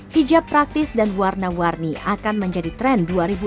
hijab praktis dan warna warni akan menjadi tren dua ribu enam belas dua ribu tujuh belas